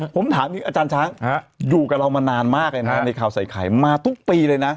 ผมถามอาจารย์ช้างอยู่กับเรามานานมากเลยนะในข่าวใส่ไข่มาทุกปีเลยนะ